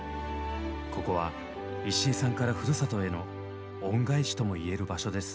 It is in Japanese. ここは石井さんからふるさとへの恩返しとも言える場所です。